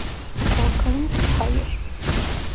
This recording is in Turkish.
Korkarım ki hayır.